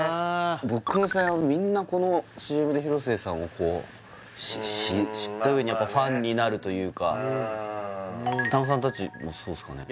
僕の世代はみんなこのＣＭで広末さんを知ったうえにファンになるというか田中さん達もそうですかね？